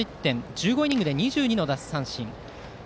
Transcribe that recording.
１５イニングで２２の奪三振。